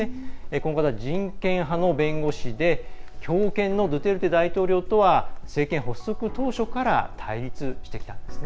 この方は人権派の弁護士で強権のドゥテルテ大統領とは政権発足当初から対立してきたんですね。